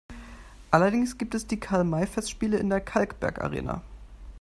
Allerdings gibt es die Karl-May-Festspiele in der Kalkbergarena.